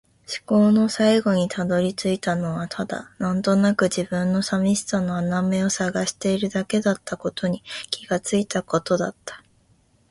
思考の最後に辿り着いたのはただ、なんとなくの自分の寂しさの穴埋めを探しているだけだったことに気がついたことだった。